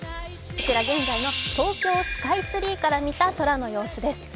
こちら現在の東京スカイツリーから見た様子です。